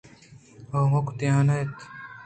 آ ہمودا نندیت